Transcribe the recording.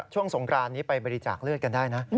ช่วงสงครานนี้ไปบริจักษ์เลือดกันได้นะ